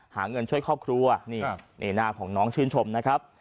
หาเงินช่วยครอบครัวนี่หน้าของน้องชื่นชมนะครับ